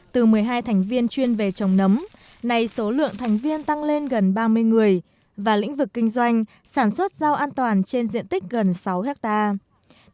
từ một mươi hai thành viên chuyên về trồng nấm nay số lượng thành viên tăng lên gần ba mươi người và lĩnh vực kinh doanh sản xuất rau an toàn trên diện tích gần sáu hectare